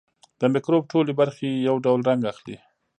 د مکروب ټولې برخې یو ډول رنګ اخلي.